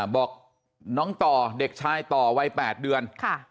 บอกน้องต่อเด็กชายต่อวัย๘เดือน